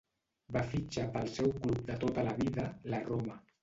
Va fitxar pel seu club de tota la vida, la Roma.